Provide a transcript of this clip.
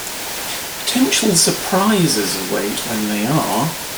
Potential surprises await when they are.